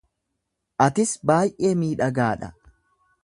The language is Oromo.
atis baay'ee miidhagaa dha!